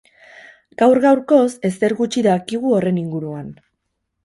Gaur-gaurkoz ezer gutxi dakigu horren inguruan.